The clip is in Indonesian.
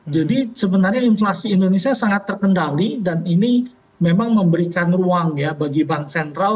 jadi sebenarnya inflasi indonesia sangat terkendali dan ini memang memberikan ruang ya bagi bank sentral